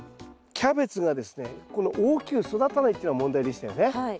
キャベツがですね大きく育たないっていうのが問題でしたよね。